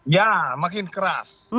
ya makin keras